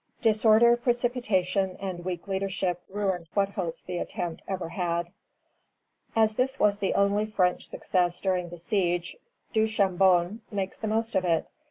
353.] Disorder, precipitation, and weak leadership ruined what hopes the attempt ever had. As this was the only French success during the siege, Duchambon makes the most of it.